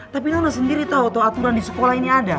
tapi nona sendiri tau tuh aturan di sekolah ini ada